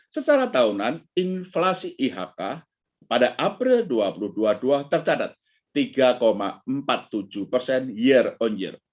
secara tahunan inflasi ihk pada april dua ribu dua puluh dua tercatat tiga empat puluh tujuh persen year on year